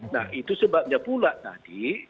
nah itu sebabnya pula tadi